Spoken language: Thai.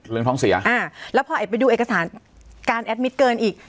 เรื่องท้องเสียอ่าแล้วพอแอบไปดูเอกสารการแอดมิตเกินอีก